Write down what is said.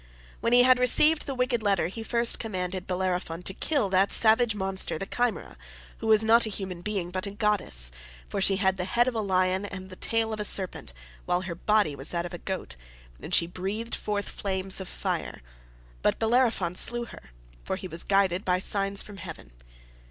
When he had received the wicked letter he first commanded Bellerophon to kill that savage monster, the Chimaera, who was not a human being, but a goddess, for she had the head of a lion and the tail of a serpent, while her body was that of a goat, and she breathed forth flames of fire; but Bellerophon slew her, for he was guided by signs from heaven.